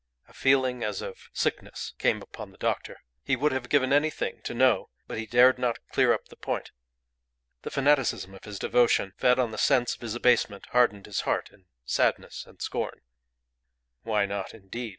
A feeling as of sickness came upon the doctor. He would have given anything to know, but he dared not clear up the point. The fanaticism of his devotion, fed on the sense of his abasement, hardened his heart in sadness and scorn. "Why not, indeed?"